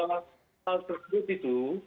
hal tersebut itu